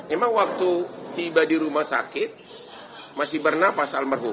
emang waktu tiba di rumah sakit masih bernapas almarhum